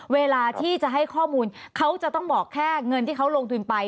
เวลาที่จะให้ข้อมูลเขาจะต้องบอกแค่เงินที่เขาลงทุนไป